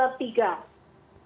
sampai menit ke tiga